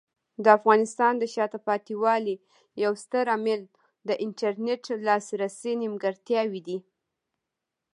د افغانستان د شاته پاتې والي یو ستر عامل د انټرنیټ لاسرسي نیمګړتیاوې دي.